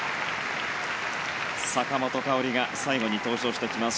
坂本花織が最後に登場してきます。